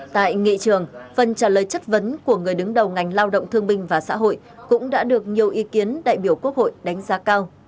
tại nghị trường phần trả lời chất vấn của người đứng đầu ngành lao động thương minh và xã hội cũng đã được nhiều ý kiến đại biểu quốc hội đánh giá cao